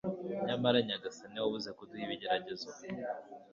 Nyamara Nyagasani ntiwabuze kuduha ibigeragezo